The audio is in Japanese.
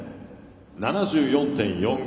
７４．４５。